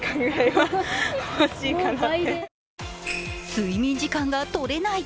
睡眠時間が取れない！